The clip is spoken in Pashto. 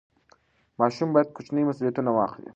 ماشوم باید کوچني مسوولیتونه واخلي.